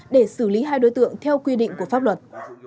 để xử lý hai đối tượng theo quy định của pháp luật